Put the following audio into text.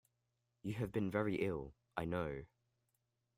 You have been very ill, I know.